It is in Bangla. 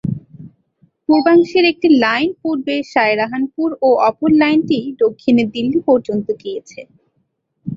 পূর্বাংশের একটি লাইন পূর্বে সাহারানপুর ও অপর লাইনটি দক্ষিণে দিল্লি পর্যন্ত গিয়েছে।